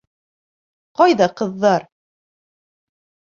Ҡайҙа ҡыҙҙар?